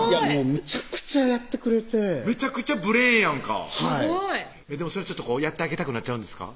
むちゃくちゃやってくれてめちゃくちゃブレインやんかはいそれはやってあげたくなっちゃうんですか？